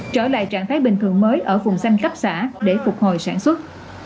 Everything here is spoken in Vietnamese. trở lại trạng thái bình thường mới ở vùng xanh cấp xã để phục hồi sản xuất